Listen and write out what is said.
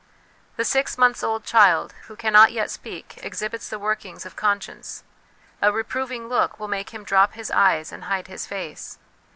The six months old child who cannot yet speak exhibits the workings of conscience ; a reprov ing look will make him drop his eyes and hide his face.